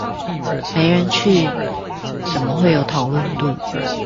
沒人去，怎麼會有討論度？